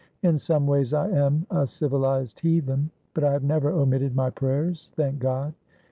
In some ways I am a civilised heathen; but I have never omitted my prayers, thank God.